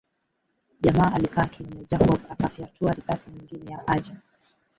Jamaa alikaa kimya Jacob akafyatua risasi nyingine ya paja